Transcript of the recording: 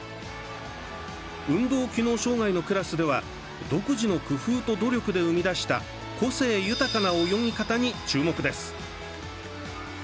運動機能障がいのクラスでは独自の工夫と努力で生み出した個性豊かな泳ぎ方に注目です。